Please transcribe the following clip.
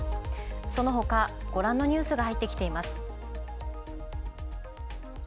そのほかご覧のニュースが入ってきています。